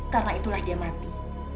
karena itulah dia mati